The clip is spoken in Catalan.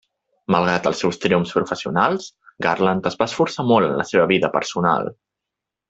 Malgrat els seus triomfs professionals, Garland es va esforçar molt en la seva vida personal.